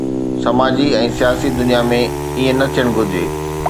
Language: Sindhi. سماجي ۽ سياسي دنيا ۾ ائين نه ٿيڻ گهرجي.